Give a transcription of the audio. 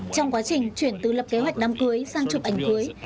trong quá trình chuyển từ lập kế hoạch đám cưới sang chụp ảnh cưới